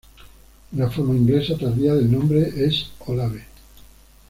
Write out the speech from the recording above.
Una forma inglesa tardía del nombre es "Olave".